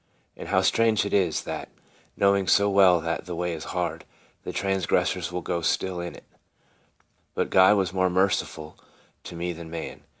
And how strange it is that, knowing so well that the way is hard, the transgressors will still go in it. But God was more merciful to me than man.